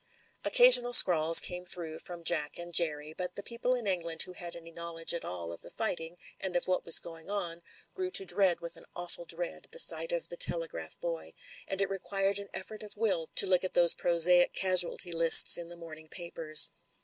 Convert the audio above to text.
Occasional scrawls came through from Jack and Jerry, but the people in England who had any know ledge at all of the fighting and of what was going cm, grew to dread with an awful dread the sight of the THE FATAL SECOND 109 telegraph boy, and it required an effort of will to look at those prosaic casualty lists in the morning papers.